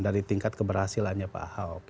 dari tingkat keberhasilannya pak ahok